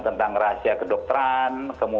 tentang rahasia kedokteran